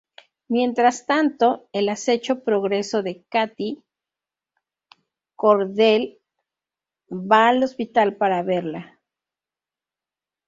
Mientras tanto, el acecho progreso de Katie, Cordell va al hospital para verla.